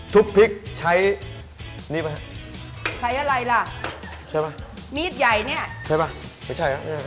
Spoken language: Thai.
ทุกพริกใช้นี่ไหมใช้อะไรล่ะใช้ป่ะมีดใหญ่เนี่ยใช้ป่ะไม่ใช่ล่ะ